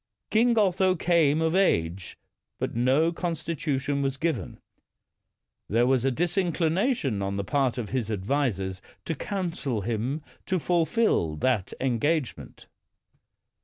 King Otho came of age, but no constitution was given. There was a disinclination on the part of his advisers to counsel him to fulfil that engagement.